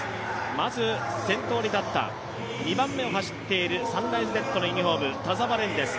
まず先頭に立った、２番目を走っているサンライズレッドのユニフォーム、田澤廉です。